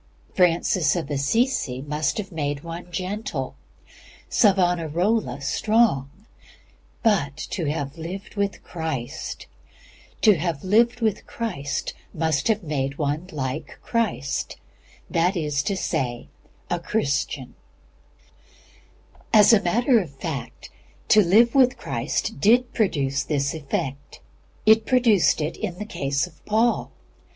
Francis Assisi must have made one gentle; Savonarola, strong. But to have lived with Christ must have made one like Christ: that is to say, A Christian. As a matter of fact, to live with Christ did produce this effect. It produced it in the case of Paul.